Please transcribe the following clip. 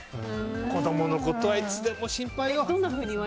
子供のことはいつでも心配よ。